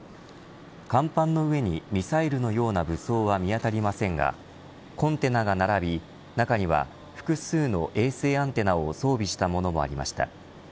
甲板の上にミサイルのような武装は見当たりませんがコンテナが並び中には、複数の衛星アンテナを装備したものもありました。